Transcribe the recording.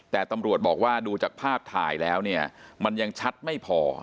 แต่ตำรวจบอกว่าดูจากภาพถ่ายแล้วเนี่ยมันยังชัดไม่พอ